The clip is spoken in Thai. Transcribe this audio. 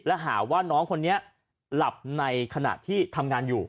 และหาว่าน้องคนนี้หลับในขณะที่ทำงานอยู่